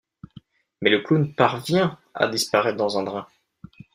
Mais le clown parvient à disparaître dans un drain.